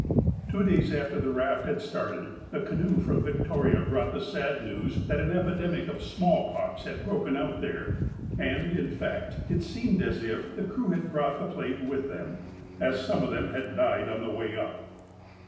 Two days after the raft had started, a canoe from Vic toria brought the sad news that an epidemic of smallpox had broken out there. And, in fact, it seemed as if the crew had brought the plague with them, as some of them had died on the way up.